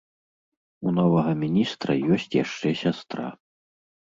У новага міністра ёсць яшчэ сястра.